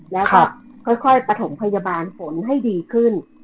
แล้วก็ค่อยประถมพยาบาลฝนให้ดีขึ้น